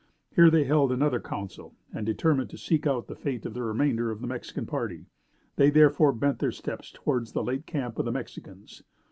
Here they held another council and determined to seek out the fate of the remainder of the Mexican party. They therefore bent their steps towards the late camp of the Mexicans.